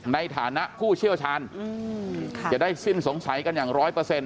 ในฐานะผู้เชี่ยวชาญจะได้สิ้นสงสัยกันอย่างร้อยเปอร์เซ็น